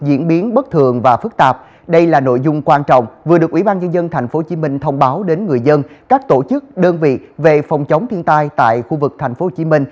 xin mời trường quay sáng phương nam